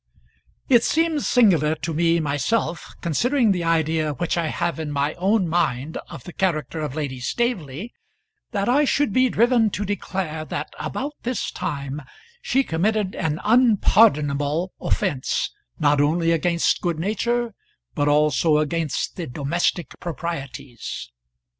It seems singular to me myself, considering the idea which I have in my own mind of the character of Lady Staveley, that I should be driven to declare that about this time she committed an unpardonable offence, not only against good nature, but also against the domestic proprieties.